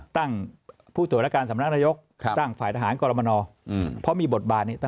ตั้งผู้ตรวจและการสำนักนายกตั้งฝ่ายทหารกรมนเพราะมีบทบาทนี้